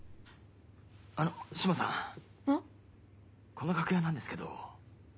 この楽屋なんですけど。